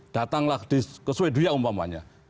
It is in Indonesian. datanglah ke sweden umpamanya